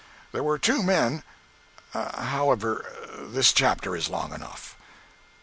There were two men——however, this chapter is long enough.